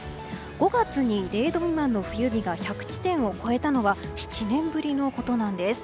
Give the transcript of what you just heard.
５月に０度未満の冬日が１００地点を超えたのは７年ぶりのことなんです。